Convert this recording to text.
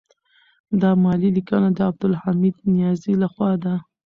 دا مالي لیکنه د عبدالحمید نیازی لخوا ده.